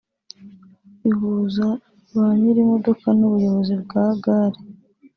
ihuza banyir’imodoka n’ubuyobozi bwa gare